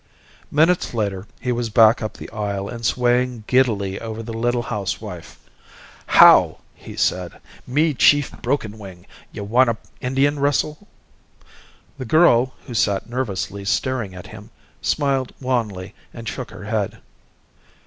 Minutes later, he was back up the aisle and swaying giddily over the little housewife. "How!" he said. "Me Chief Broken Wing. You wanta Indian wrestle?" The girl, who sat nervously staring at him, smiled wanly, and shook her head.